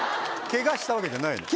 ケガしたわけじゃないの？